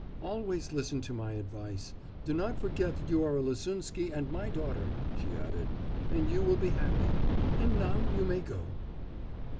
'Always listen to my advice. Do not forget that you are a Lasunsky and my daughter,' she added, 'and you will be happy. And now you may go.